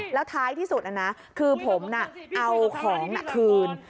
แล้วท้ายที่สุดนะคือผมเอาของคืน